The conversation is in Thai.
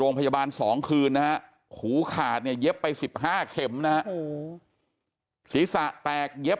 โรงพยาบาล๒คืนนะฮะหูขาดเนี่ยเย็บไป๑๕เข็มนะฮะศีรษะแตกเย็บ